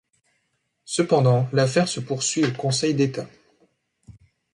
Cependant, l'affaire se poursuit au Conseil d'État.